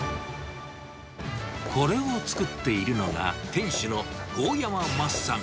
これを作っているのが、店主の神山マスさん